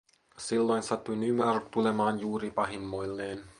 Silloin sattui Nymark tulemaan juuri pahimmoilleen.